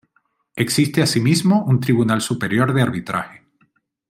Existe asimismo un Tribunal Superior de Arbitraje.